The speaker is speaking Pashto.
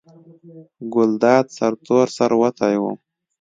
ګلداد سرتور سر وتی و.